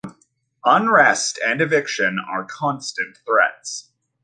Unrest and eviction are constant threats.